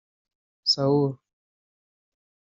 Soul